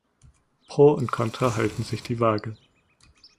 Pro und Kontra halten sich die Waage.